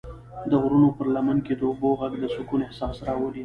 د غرونو پر لمن کې د اوبو غږ د سکون احساس راولي.